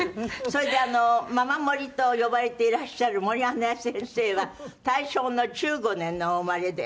それでママモリと呼ばれていらっしゃる森英恵先生は大正の１５年のお生まれで。